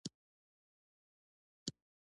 هغه که یو وار هم وي !